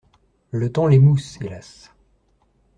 Le temps l'émousse, hélas!